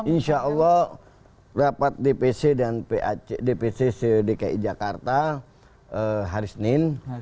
insya allah rapat dpc dan dpc dki jakarta hari senin